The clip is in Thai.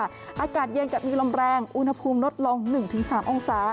อากาศเย็นกับมีลมแรงอุณหภูมิลดลง๑๓องศา